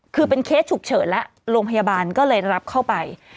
คือเป็นเคสฉุกเฉินแล้วโรงพยาบาลก็เลยรับเข้าไป